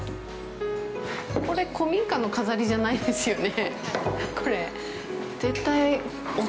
これ、古民家の飾りじゃないですよね？